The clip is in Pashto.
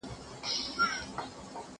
تر ملكونو تر ښارونو رسيدلي